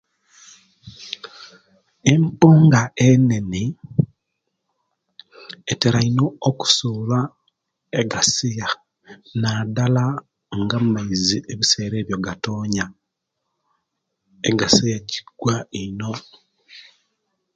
Empunga enene etera ino okusula egasiya nadala nga amaizi ebisera ebyo gatonya egasya egwa ino